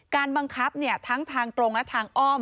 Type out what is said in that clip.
การบังคับทั้งทางตรงและทางอ้อม